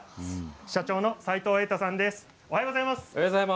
社長の齋藤栄太さんです。